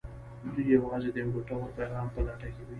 دوی يوازې د يوه ګټور پيغام په لټه کې وي.